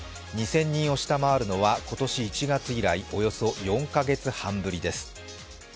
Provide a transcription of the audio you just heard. ２０００人を下回るのは今年１月以来およそ４カ月半ぶりです。